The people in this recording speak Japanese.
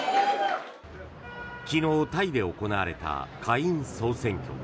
昨日、タイで行われた下院総選挙。